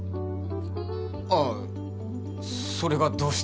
ああそれがどうした？